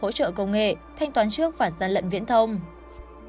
hỗ trợ công nghệ thanh toán trước và gian lận viễn thông